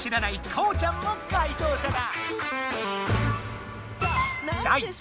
こうちゃんも解答者だ。